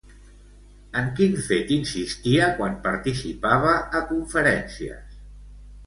En quin fet insistia quan participava a conferències?